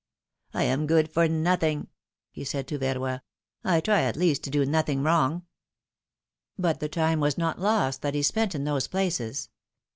I am good for nothing,^^ he said to Verroy ; I try at least to do nothing WTong.^^ But the time was not lost that he spent in those places.